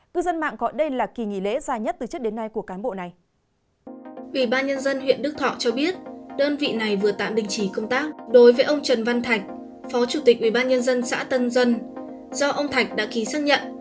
cư dân mạng gọi đây là kỳ nghỉ lễ dài nhất từ trước đến nay của cán bộ này